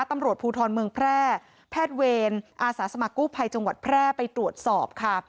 ตำรวจภูทรเมืองแพร่แพทย์เวรอาสาสมัครกู้ภัยจังหวัดแพร่ไปตรวจสอบค่ะ